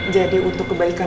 jadi untuk kebaikan